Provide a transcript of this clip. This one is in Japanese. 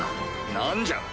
何じゃ？